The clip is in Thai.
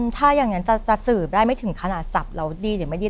ถ้าอย่างนั้นจะสืบได้ไม่ถึงขนาดจับเราดีหรือไม่ดี